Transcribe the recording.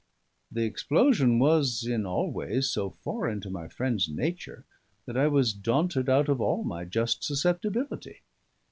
The explosion was in all ways so foreign to my friend's nature that I was daunted out of all my just susceptibility.